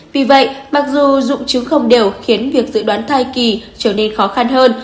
vì vậy mặc dù dụng chứ không đều khiến việc dự đoán thai kỳ trở nên khó khăn hơn